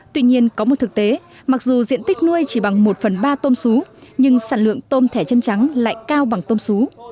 tuy nhiên có một thực tế mặc dù diện tích nuôi chỉ bằng một phần ba tôm sú nhưng sản lượng tôm thẻ chân trắng lại cao bằng tôm xú